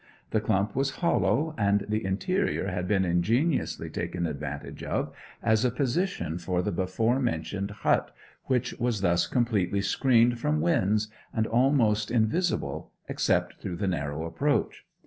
The clump was hollow, and the interior had been ingeniously taken advantage of as a position for the before mentioned hut, which was thus completely screened from winds, and almost invisible, except through the narrow approach.